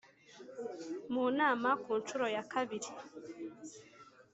Mu nama ku nshuro ya kabiri